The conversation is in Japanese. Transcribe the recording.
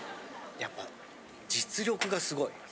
やっぱ実力が凄い！